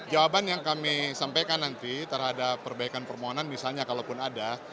jawaban yang kami sampaikan nanti terhadap perbaikan permohonan misalnya kalaupun ada